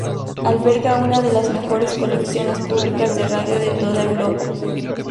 Alberga una de las mejores colecciones públicas de radio de toda Europa.